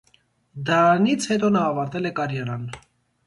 Դրաից հետո նա ավարտել է կարիերան։